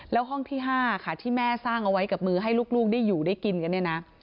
แล้วห้องที่๕ค่ะที่แม่สร้างเอาไว้กับมือให้ลูกได้อยู่ได้กินกันเนี่ยนะ